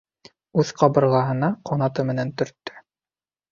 Үҙ ҡабырғаһына ҡанаты менән төрттө.